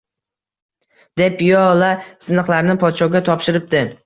Deb piyola siniqlarini podshoga topshiribdi